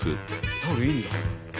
タオルいいんだ。